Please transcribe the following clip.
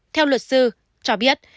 theo luật sư cho biết